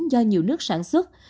do nhiều nước sản xuất